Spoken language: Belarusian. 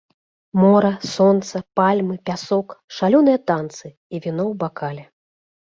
Мора, сонца, пальмы, пясок, шалёныя танцы і віно ў бакале.